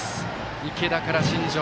池田から新城。